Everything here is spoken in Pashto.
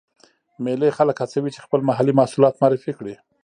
مېلې خلک هڅوي، چې خپل محلې محصولات معرفي کړي.